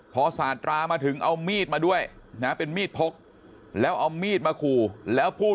พอสาธาตรามาถึงเอามีดมาด้วยนะเป็นมีดพกแล้วเอามีดมาขู่แล้วพูด